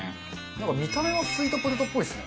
なんか見た目はスイートポテトっぽいですね。